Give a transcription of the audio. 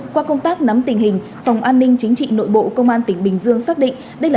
qua công tác nắm tình hình phòng an ninh chính trị nội bộ công an tỉnh bình dương xác định đây là